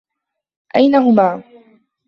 أين هما؟